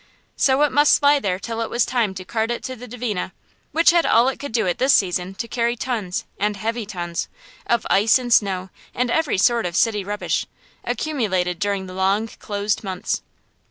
So it must lie till there was time to cart it to the Dvina, which had all it could do at this season to carry tons, and heavy tons, of ice and snow and every sort of city rubbish, accumulated during the long closed months.